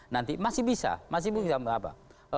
nanti masih bisa masih bisa apa